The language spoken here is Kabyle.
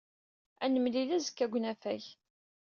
Ad nemlil azekka deg unafag.